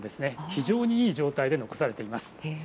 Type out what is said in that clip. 非常にいい状態で残されています。